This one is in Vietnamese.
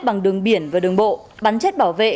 bằng đường biển và đường bộ bắn chết bảo vệ